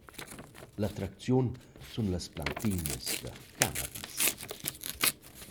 L’attracziun sun las plantinas da cannabis.